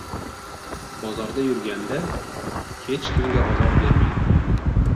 Bozorda yurganda, hech kimga ozor bermang;